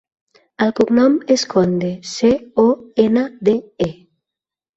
El cognom és Conde: ce, o, ena, de, e.